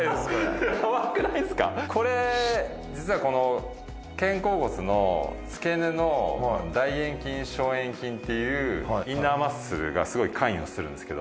これ実はこの肩甲骨の付け根の大円筋小円筋っていうインナーマッスルがすごい関与するんですけど。